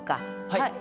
はい。